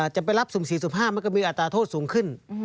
จะไปรับสุ่ม๔๕มันก็มีอัตราโทษสูงขึ้น